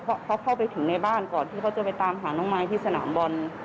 เพราะเขาเข้าไปถึงในบ้านก่อนที่เขาจะไปตามหาน้องมายที่สนามบอล